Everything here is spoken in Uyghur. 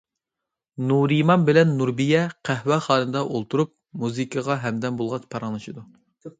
نۇرىمان بىلەن نۇربىيە قەھۋەخانىدا ئولتۇرۇپ، مۇزىكىغا ھەمدەم بولغاچ پاراڭلىشىدۇ.